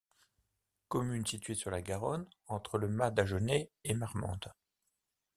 Commune située sur la Garonne, entre Le Mas-d'Agenais et Marmande.